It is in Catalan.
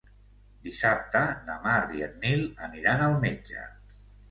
Dissabte na Mar i en Nil aniran al metge.